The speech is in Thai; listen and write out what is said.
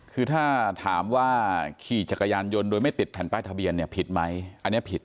คือถ้าถามว่าขี่จักรยานยนต์โดยไม่ติดแผ่นป้ายทะเบียนเนี่ยผิดไหมอันนี้ผิด